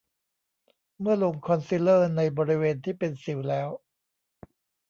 เมื่อลงคอนซีลเลอร์ในบริเวณที่เป็นสิวแล้ว